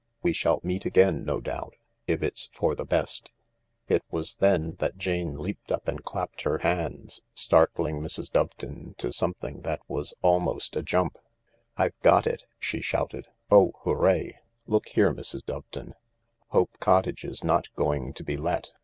We shall meet again, no doubt, if it's for the best." It was then that Jane leaped up and clapped her hands, startling Mrs. Doveton to something that was almost a jump. " I've got it I " she shouted. " Oh, hooray 1 Look here, Mrs. Doveton, Hope Cottage is not going to be let.